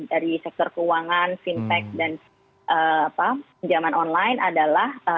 dari sektor keuangan fintech dan pinjaman online adalah